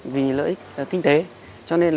vì lợi ích kinh tế